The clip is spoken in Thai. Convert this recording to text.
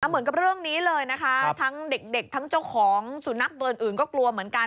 เหมือนกับเรื่องนี้เลยนะคะทั้งเด็กทั้งเจ้าของสุนัขเบิร์นอื่นก็กลัวเหมือนกัน